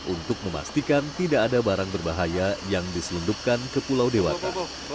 untuk memastikan tidak ada barang berbahaya yang diselundupkan ke pulau dewata